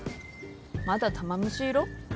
まだ玉虫色？